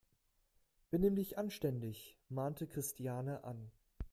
Benimm dich anständig!, mahnte Christiane an.